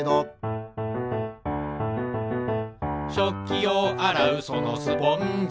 「しょっきをあらうそのスポンジ」